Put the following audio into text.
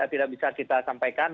tidak bisa kita sampaikan